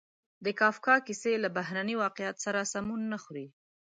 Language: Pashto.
د کافکا کیسې له بهرني واقعیت سره سمون نه خوري.